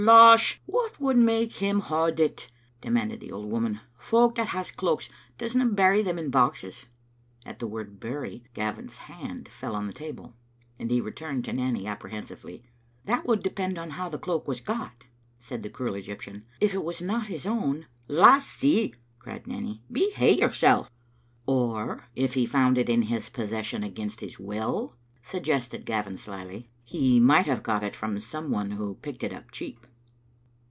"" Losh, what would make him hod it?" demanded the old woman. " Folk that has cloaks doesna bury them in boxes." At the word " bury" Gavin's hand fell on the table, and he returned to Nanny apprehensively. ^ That would depend on how the cloak was got," said the cruel Egyptian. " If it was not his own " "Lassie," cried Nanny, "behave yoursel'." " Or if he found it in his possession against his will?" suggested Gavin, slyly. "He might have got it from some one who picked it up cheap."